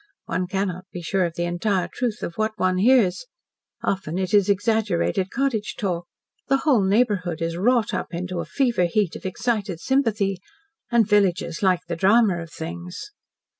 One cannot be sure of the entire truth of what one hears. Often it is exaggerated cottage talk. The whole neighbourhood is wrought up to a fever heat of excited sympathy. And villagers like the drama of things."